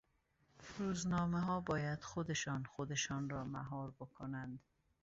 روزنامهها باید خودشان خودشان را مهار بکنند.